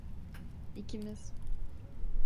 İkimiz.